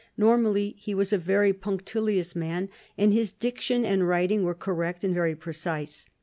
Normally he was a very punctilious man, and his diction and writing were correct and very precise.